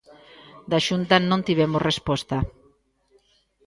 Da Xunta non tivemos resposta.